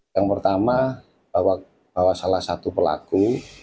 yang pertama bahwa salah satu pelaku